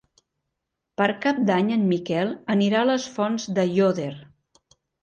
Per Cap d'Any en Miquel anirà a les Fonts d'Aiòder.